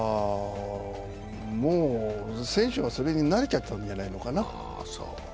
もう選手がそれに慣れちゃったんじゃないのかな。